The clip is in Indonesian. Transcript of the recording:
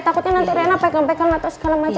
takutnya nanti rena pekel pekel atau segala macem gitu